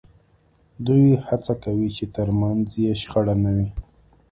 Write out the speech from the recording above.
دوی هڅه کوي چې ترمنځ یې شخړه نه وي